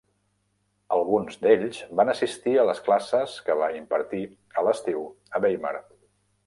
Alguns d'ells van assistir a les classes que va impartir a l'estiu a Weimar.